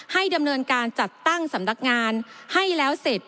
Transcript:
ดำเนินการจัดตั้งสำนักงานให้แล้วเสร็จ